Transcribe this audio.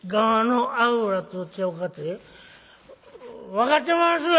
分かってますよ！